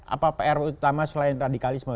apa pr utama selain radikalisme